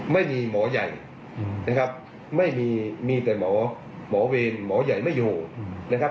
ไม่มีหมอยัยนะครับไม่มีมีแต่หมอเวรหมอยัยไม่อยู่นะครับ